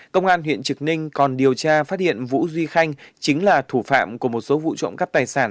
công an huyện trực ninh còn điều tra phát hiện vũ duy khanh chính là thủ phạm của một số vụ trộm cắp tài sản